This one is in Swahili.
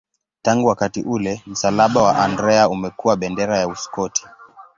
Tangu wakati ule msalaba wa Andrea umekuwa bendera ya Uskoti.